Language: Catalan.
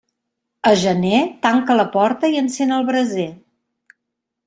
A gener, tanca la porta i encén el braser.